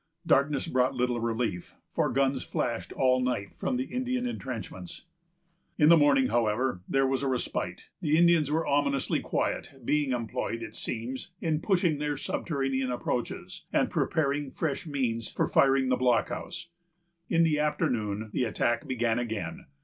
Darkness brought little relief, for guns flashed all night from the Indian intrenchments. In the morning, however, there was a respite. The Indians were ominously quiet, being employed, it seems, in pushing their subterranean approaches, and preparing fresh means for firing the blockhouse. In the afternoon the attack began again.